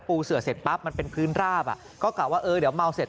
ปูเสือเสร็จปั๊บมันเป็นพื้นราบก็กลับว่าเดี๋ยวเมาเสร็จ